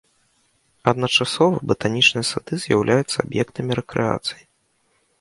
Адначасова батанічныя сады з'яўляюцца аб'ектамі рэкрэацыі.